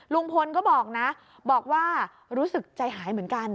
ลุงพลก็บอกนะบอกว่ารู้สึกใจหายเหมือนกัน